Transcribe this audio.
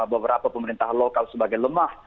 beberapa pemerintah lokal sebagai lemah